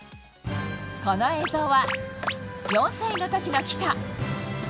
この映像は４歳の時の喜田。